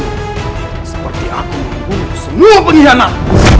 seperti aku untuk semua pengkhianat